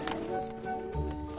あ。